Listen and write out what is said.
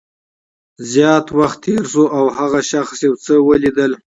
زیات وخت تېر شو او هغه شخص یو څه ولیدل